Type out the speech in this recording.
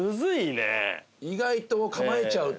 意外と構えちゃうと。